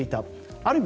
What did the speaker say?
ある意味